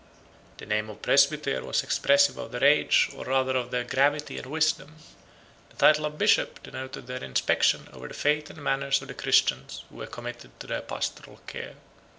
The name of Presbyter was expressive of their age, or rather of their gravity and wisdom. The title of Bishop denoted their inspection over the faith and manners of the Christians who were committed to their pastoral care.